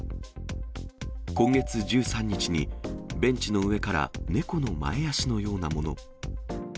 今月１３日に、ベンチの上から猫の前足のようなもの。